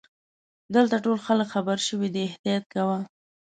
دلته ټول خلګ خبرشوي دي احتیاط کوه.